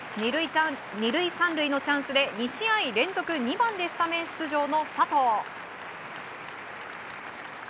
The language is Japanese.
２塁３塁のチャンスで２試合連続２番でスタメン出場の佐藤。